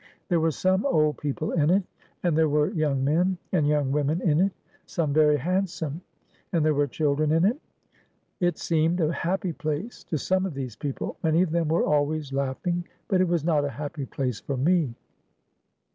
There were some old people in it, and there were young men, and young women in it, some very handsome; and there were children in it. It seemed a happy place to some of these people; many of them were always laughing; but it was not a happy place for me.